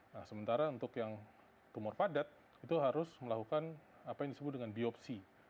nah sementara untuk yang tumor padat itu harus melakukan apa yang disebut dengan biopsi